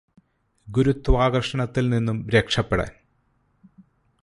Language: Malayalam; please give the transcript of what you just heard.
ഗുരുത്വാകര്ഷണത്തില് നിന്നും രക്ഷപ്പെടാന്